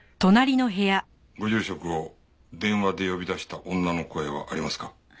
ご住職を電話で呼び出した女の声はありますか？